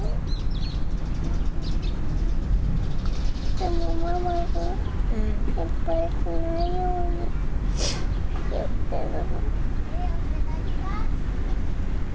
でも、ママが心配しないように言ってる。